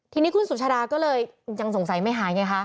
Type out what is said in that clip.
ทีนี้คุณสุชาดาก็เลยยังสงสัยไม่หายไงคะ